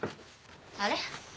あれ？